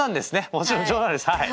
もちろん冗談ですはい。